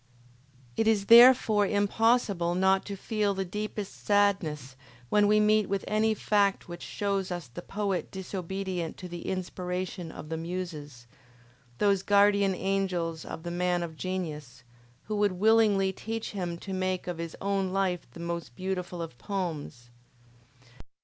It is therefore impossible not to feel the deepest sadness when we meet with any fact which shows us the poet disobedient to the inspiration of the Muses, those guardian angels of the man of genius, who would willingly teach him to make of his own life the most beautiful of poems.